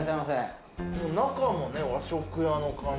中もね和食屋の感じ。